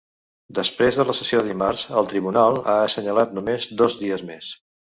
Després de la sessió de dimarts, el tribunal ha assenyalat només dos dies més.